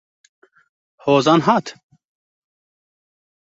Hozan hat?